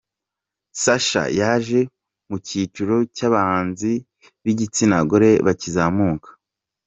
Sacha yaje mu cyiciro cy’abahanzi b’igitsina gore bakizamuka.